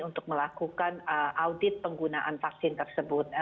untuk melakukan audit penggunaan vaksin tersebut